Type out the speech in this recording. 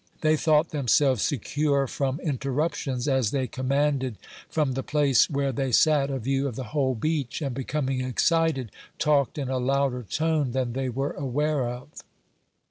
They thought themselves secure from interruptions, as they commanded from the place where they sat a view of the whole beach, and, becoming excited, talked in a louder tone than they were aware of.